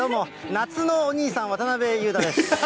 夏のお兄さん、渡辺裕太です。